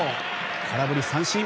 空振り三振。